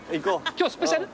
今日スペシャル？